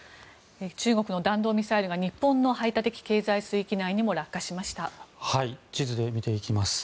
中国の弾道ミサイルが日本の排他的経済水域内にも地図で見ていきます。